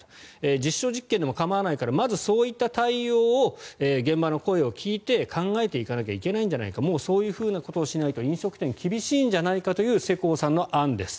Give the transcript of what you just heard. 実証実験でも構わないからまずそういった対応も現場の声を聞いて考えていかなきゃいけないんじゃないかもうそういうことをしないと飲食店は厳しいのではという世耕さんの案です。